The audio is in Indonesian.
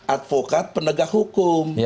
avokat penegak hukum